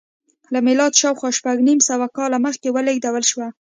له میلاده شاوخوا شپږ نیم سوه کاله مخکې ولېږدول شوه